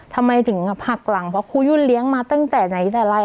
ทำไมถึงหักหลังเพราะครูยุ่นเลี้ยงมาตั้งแต่ไหนแต่ไร